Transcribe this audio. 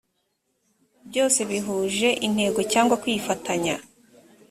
byose bihuje intego cyangwa kwifatanya